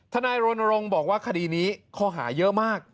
นายรณรงค์บอกว่าคดีนี้ข้อหาเยอะมาก